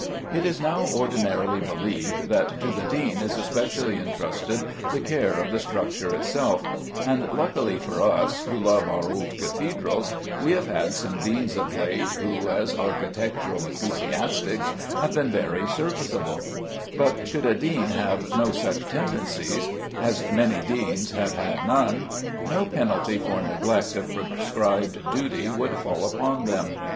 It is now ordinarily believed that to the dean is especially entrusted the care of the structure itself; and luckily for us, who love our old cathedrals, we have had some deans of late who, as architectural ecclesiastics, have been very serviceable; but should a dean have no such tendencies, as many deans have had none, no penalty for neglect of prescribed duty would fall upon him.